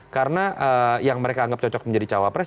karena yang mereka anggap cocok menjadi cawapres